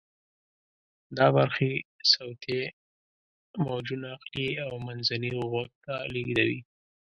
دا برخې صوتی موجونه اخلي او منځني غوږ ته لیږدوي.